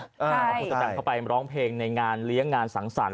ต่างเข้าไปร้องเพลงในงานเลี้ยงงานสังสรรค์